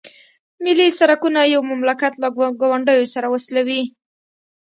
ملي سرکونه یو مملکت له ګاونډیو سره وصلوي